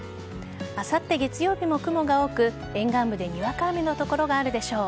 あさって月曜日も雲が多く沿岸部でにわか雨の所があるでしょう。